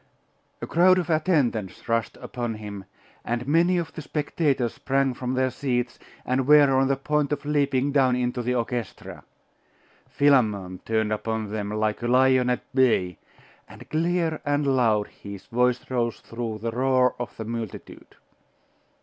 A crowd of attendants rushed upon him, and many of the spectators sprang from their seats, and were on the point of leaping down into the orchestra. Philammon turned upon them like a lion at bay; and clear and loud his voice rose through the roar of the multitude.